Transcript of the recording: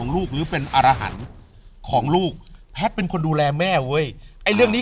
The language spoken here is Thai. ลูกหรือเป็นอารหันต์ของลูกแพทย์เป็นคนดูแลแม่เว้ยไอ้เรื่องนี้